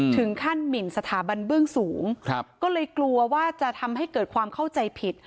หมินสถาบันเบื้องสูงก็เลยกลัวว่าจะทำให้เกิดความเข้าใจผิด